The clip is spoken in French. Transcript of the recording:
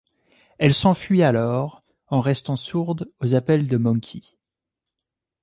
Elle s'enfuit alors en restant sourde aux appels de Monkey.